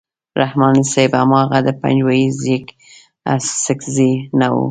رحماني صاحب هماغه د پنجوایي زېږ اڅکزی نه وو.